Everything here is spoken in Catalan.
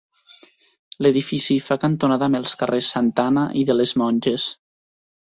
L'edifici fa cantonada amb els carrers Santa Anna i de les Monges.